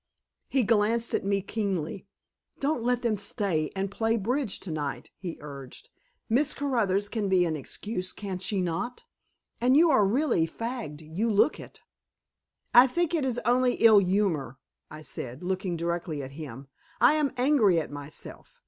He glanced at me keenly. "Don't let them stay and play bridge tonight," he urged. "Miss Caruthers can be an excuse, can she not? And you are really fagged. You look it." "I think it is only ill humor," I said, looking directly at him. "I am angry at myself.